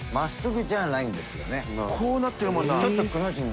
こうなってるもんな。